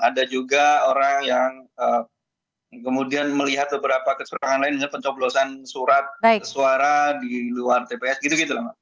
ada juga orang yang kemudian melihat beberapa kecurangan lain misalnya pencoblosan surat suara di luar tps gitu gitu lah